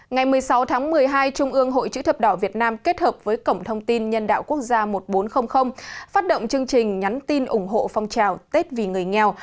ngày một mươi sáu tháng một mươi hai trung ương hội chữ thập đỏ việt nam kết hợp với cổng thông tin nhân đạo quốc gia một nghìn bốn trăm linh phát động chương trình nhắn tin ủng hộ phong trào tết vì người nghèo